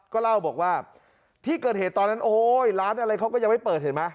ก็เล่าบอกว่าที่เกิดเหตุตอนนั้นโอ้ยร้านอะไรเขาก็ยังไม่เปิดเห็นไหม